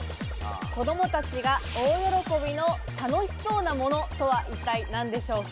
子供たちが大喜びの楽しそうなものとは一体何でしょうか？